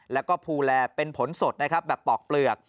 แล้วก็ภูแลเป็นผลสดนะครับแบบปอกเปลือก